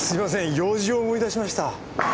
用事を思い出しました。